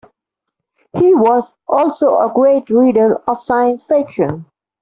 He was also a great reader of science fiction.